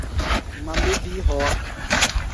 Ŋma mbé bíí hɔá.